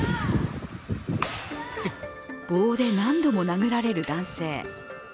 棒で何度も殴られる男性。